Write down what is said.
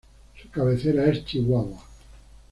Su cabecera es Chihuahua.